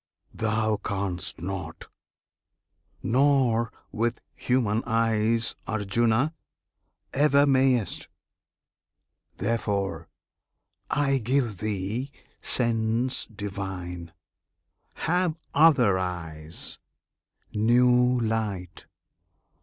Thou canst not! nor, with human eyes, Arjuna! ever mayest! Therefore I give thee sense divine. Have other eyes, new light!